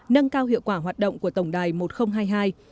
nâng cao hiệu quả hoạt động của tổng đài một nghìn hai mươi hai